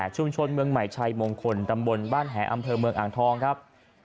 ชุมชนเมืองใหม่ชัยมงคลตำบลบ้านแหอำเภอเมืองอ่างทองครับ